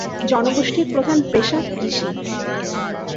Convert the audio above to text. জনগোষ্ঠীর প্রধান পেশা কৃষি।